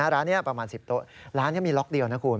ร้านนี้ประมาณ๑๐โต๊ะร้านนี้มีล็อกเดียวนะคุณ